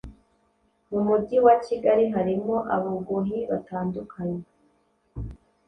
Mumugi wakigali harimo abogohi batandukanye